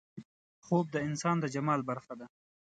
خوب د انسان د جمال برخه ده